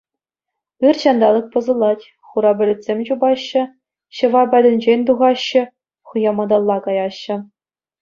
Ыр ҫанталӑк пӑсӑлать, хура пӗлӗтсем чупаҫҫӗ, ҫӑва патӗнчен тухаҫҫӗ, хӑяматалла каяҫҫӗ!